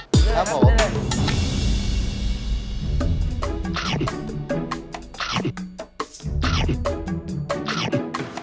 กินเลยครับกินเลย